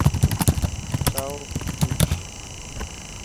Masao Sugimoto